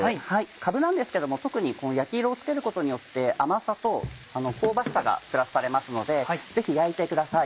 かぶなんですけど特に焼き色をつけることによって甘さと香ばしさがプラスされますのでぜひ焼いてください。